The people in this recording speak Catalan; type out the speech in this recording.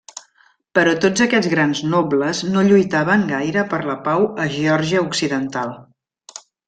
Però tots aquests grans nobles no lluitaven gaire per la pau a Geòrgia occidental.